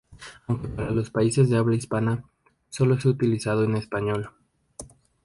Aunque para los países de habla hispana, solo se ha utilizado en español.